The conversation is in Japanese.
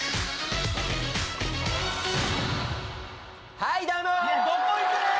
はい、どうもー。